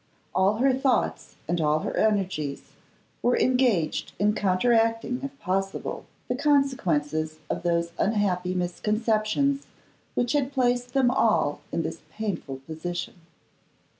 All her thoughts and all her energies were engaged in counteracting, if possible, the consequences of those unhappy misconceptions which had placed them all in this painful position.